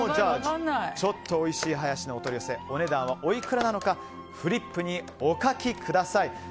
ちょっと美味しいハヤシのお取り寄せお値段はおいくらなのかフリップにお書きください。